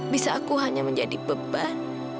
bisa aku hanya menjadi beban